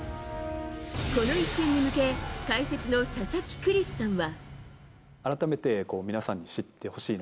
この一戦に向け解説の佐々木クリスさんは。